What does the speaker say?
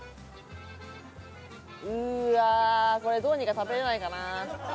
うわーこれどうにか食べれないかな。